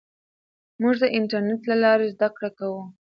موږ د انټرنېټ له لارې زده کړه کوو.